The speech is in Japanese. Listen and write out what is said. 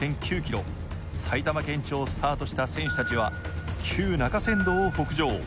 埼玉県庁スタートした選手たちは旧中山道を北上。